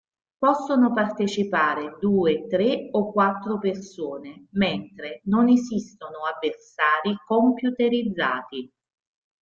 Possono partecipare due, tre o quattro persone, mentre non esistono avversari computerizzati.